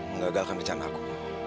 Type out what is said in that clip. mengagalkan rencana aku